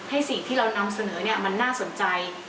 สิ่งที่เรานำเสนอมันน่าสนใจ